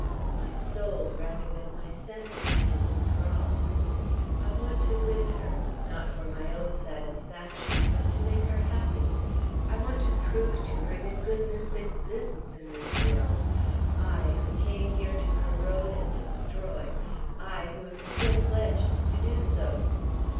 My soul, rather than my senses, is enthralled. I want to win her, not for my own satisfaction, but to make her happy. I want to prove to her that goodness exists in this world I, who came here to corrode and destroy; I, who am still pledged to do so.